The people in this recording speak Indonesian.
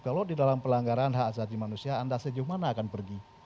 kalau di dalam pelanggaran hak asasi manusia anda sejauh mana akan pergi